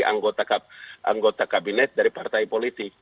anggota kabinet dari partai politik